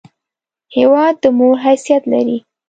هېواد د مور حیثیت لري!